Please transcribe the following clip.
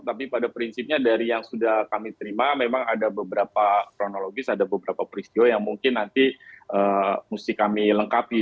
tapi pada prinsipnya dari yang sudah kami terima memang ada beberapa kronologis ada beberapa peristiwa yang mungkin nanti mesti kami lengkapi